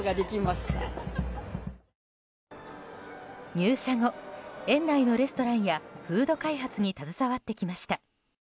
入社後、園内のレストランやフード開発に携わってきました。